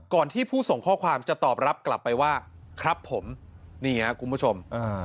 ที่ผู้ส่งข้อความจะตอบรับกลับไปว่าครับผมนี่ครับคุณผู้ชม